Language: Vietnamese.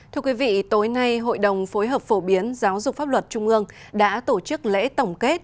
thưa quý vị tối nay hội đồng phối hợp phổ biến giáo dục pháp luật trung ương đã tổ chức lễ tổng kết